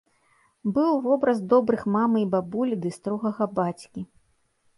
Быў вобраз добрых мамы і бабулі ды строгага бацькі.